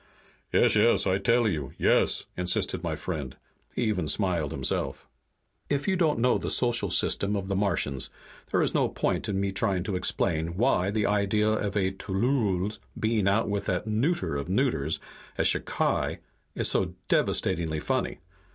"Yes, yes, I tell you. Yes!" insisted my friend. He even smiled himself. If you don't know the social system of the Martians there is no point in my trying to explain why the idea of a tllooll's being out with that neuter of neuters, a shicai, is so devastatingly funny.